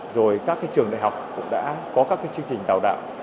rồi các trường đại học cũng đã có các chương trình đào tạo đạo